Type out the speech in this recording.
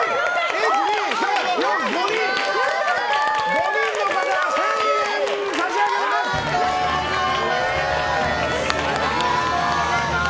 ５人の方１０００円差し上げます！